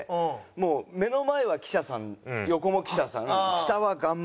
もう目の前は記者さん横も記者さん下はガンマイク。